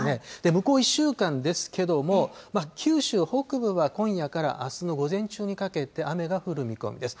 向こう１週間ですけれども、九州北部は、今夜からあすの午前中にかけて、雨が降る見込みです。